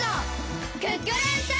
クックルンシャドー！